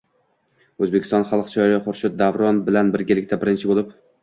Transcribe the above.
O’zbekiston xalq shoiri Xurshid Davron bilan birgalikda birinchi bo’lib